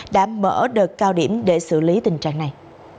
đã mở đợt cao điểm để xử lý tình trạng này